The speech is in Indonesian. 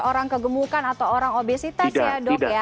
orang kegemukan atau orang obesitas ya dok ya